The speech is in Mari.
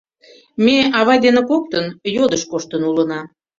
Ме, авай дене коктын, йодышт коштын улына.